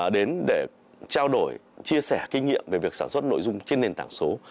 đến để trao đổi chia sẻ kinh nghiệm về việc sản xuất nội dung trên nền tảng số